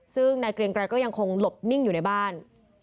ซึ่งนายเกรียงไกรก็ยังคงหลบนิ่งอยู่ในบ้าน